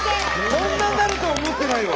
こんなになると思ってないわ。